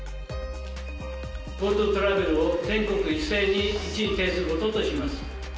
ＧｏＴｏトラベルを全国一斉に一時停止することとします。